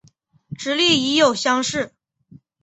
直隶乙酉乡试。